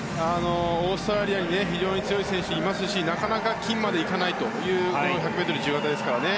オーストラリアに非常に強い選手がいますしなかなか金までいかないという１００ｍ自由形ですからね。